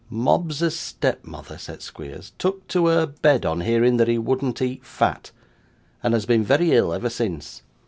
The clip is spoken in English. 'Mobbs's step mother,' said Squeers, 'took to her bed on hearing that he wouldn't eat fat, and has been very ill ever since.